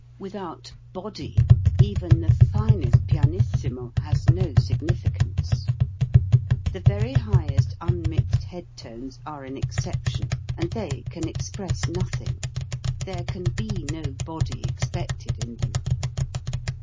Without body even the finest pianissimo has no significance. The very highest unmixed head tones are an exception, and they can express nothing. There can be no body expected in them.